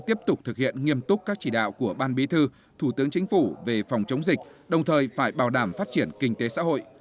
tiếp tục thực hiện nghiêm túc các chỉ đạo của ban bí thư thủ tướng chính phủ về phòng chống dịch đồng thời phải bảo đảm phát triển kinh tế xã hội